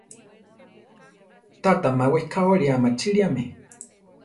Tata má wekáwari amachiliame.